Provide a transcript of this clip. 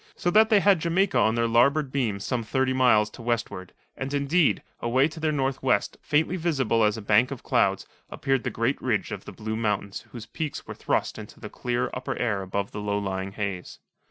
so that they had Jamaica on their larboard beam some thirty miles to westward, and, indeed, away to the northwest, faintly visible as a bank of clouds, appeared the great ridge of the Blue Mountains whose peaks were thrust into the clear upper air above the low lying haze.